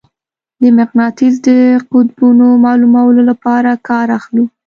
د مقناطیس د قطبونو معلومولو لپاره کار اخلو.